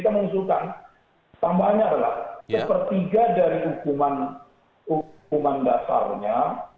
kita mengusulkan tambahannya adalah sepertiga dari hukuman dasarnya